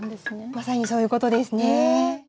まさにそういうことですね。